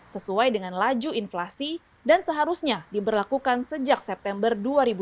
sesuai dengan laju inflasi dan seharusnya diberlakukan sejak september dua ribu dua puluh